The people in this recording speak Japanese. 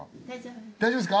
大丈夫ですか？